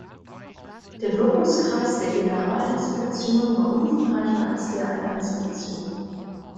Der Wirkungskreis der Generalinspektion war umfangreicher als der einer Inspektion.